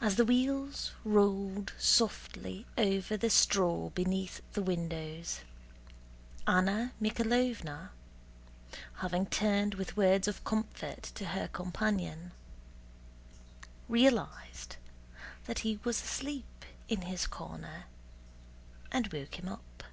As the wheels rolled softly over the straw beneath the windows, Anna Mikháylovna, having turned with words of comfort to her companion, realized that he was asleep in his corner and woke him up.